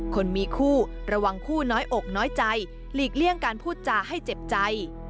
คนมีคู่ระวังคู่น้อยอกน้อยใจหลีกเลี่ยงการพูดจาให้เจ็บใจ